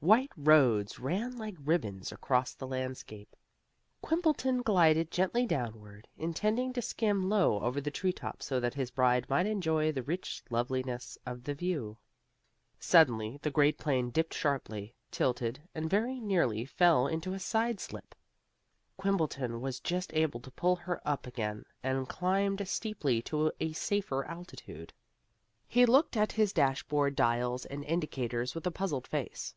White roads ran like ribbons across the landscape. Quimbleton glided gently downward, intending to skim low over the treetops so that his bride might enjoy the rich loveliness of the view. Suddenly the great plane dipped sharply, tilted, and very nearly fell into a side slip. Quimbleton was just able to pull her up again and climbed steeply to a safer altitude. He looked at his dashboard dials and indicators with a puzzled face.